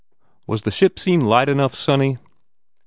Was the ship scene light enough, sonny